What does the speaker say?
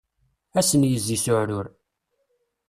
Ad sen-yezzi s uεrur.